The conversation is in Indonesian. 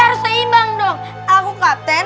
kalau misalkan kamu amur ya kamu ketuanya